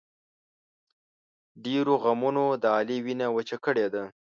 ډېرو غمونو د علي وینه وچه کړې ده.